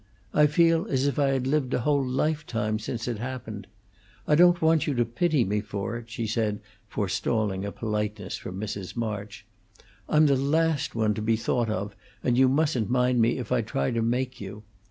I feel as if I had lived a whole lifetime since it happened. I don't want you to pity me for it," she said, forestalling a politeness from Mrs. March. "I'm the last one to be thought of, and you mustn't mind me if I try to make you.